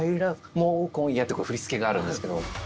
もう今夜振り付けがあるんですけど。